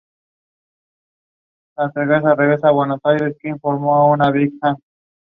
A pesar de los intentos por encontrar pareja, permaneció siempre soltera.